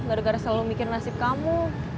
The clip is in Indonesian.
gara gara selalu mikir nasib kamu